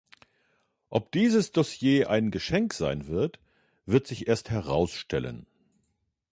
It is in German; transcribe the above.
Ob dieses Dossier ein Geschenk sein wird, wird sich erst herausstellen.